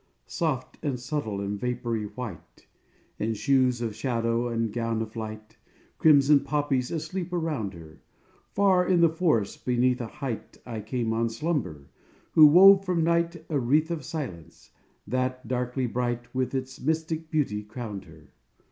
Soft and subtle and vapory white, In shoes of shadow and gown of light, Crimson poppies asleep around her, Far in the forest, beneath a height, I came on Slumber, who wove from night A wreath of silence, that, darkly bright, With its mystic beauty crowned her.